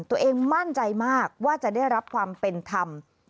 ตัวเองมั่นใจมากว่าจะได้รับความเป็นธรรม